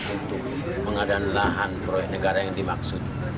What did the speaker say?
untuk pengadaan lahan proyek negara yang dimaksud